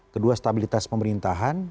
kedua stabilitas pemerintahan